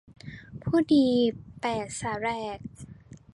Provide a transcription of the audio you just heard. ผู้ดีแปดสาแหรก